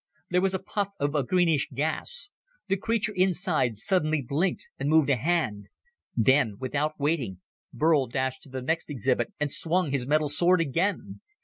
There was a puff of a greenish gas. The creature inside suddenly blinked and moved a hand. Then, without waiting, Burl dashed to the next exhibit and swung his metal sword again.